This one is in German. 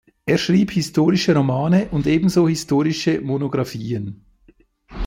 Er schrieb historische Romane und ebenso historische Monographien.